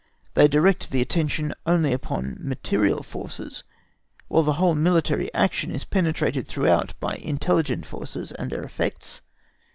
They direct the attention only upon material forces, while the whole military action is penetrated throughout by intelligent forces and their effects.